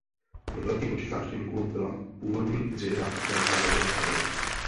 Pro velký počet návštěvníků byla původní dřevěná kaple nahrazena kamennou.